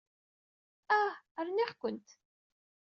Ah! Rniɣ-ken.